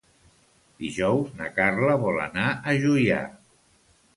Dijous na Carla vol anar a Juià.